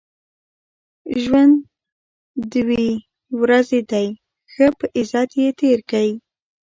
ژوند دوې ورځي دئ، ښه په عزت ئې تېر کئ!